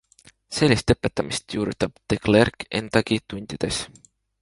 Sellist õpetamist juurutab De Clercq endagi tundides.